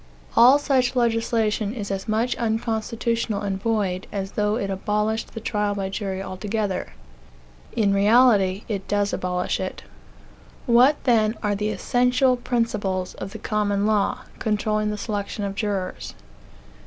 All such legislation is as much unconstitutional and void, as though it abolished the trial by jury altogether. In reality it does abolish it. What, then, are the essential principles of the common law, controlling the selection of jurors?